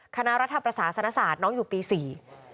คณะรัฐประสาสนศาสตร์น้องอยู่ปีสี่